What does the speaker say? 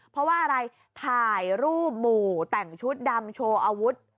เพราะว่าอะไรถ่ายรูปหมู่แต่งชุดดำโชว์อาวุธ